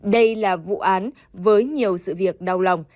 đây là vụ án với nhiều sự việc đau lòng